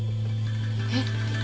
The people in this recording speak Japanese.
えっ？